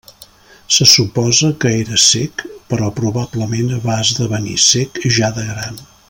Se suposa que era cec però probablement va esdevenir cec ja de gran.